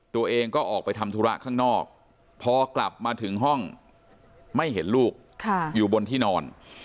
ตัวเองก็ออกไปทำธุระข้างนอกพอกลับมาถึงห้องไม่เห็นลูกอยู่บนที่นอน